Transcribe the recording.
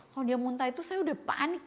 kalau dia muntah itu saya udah panik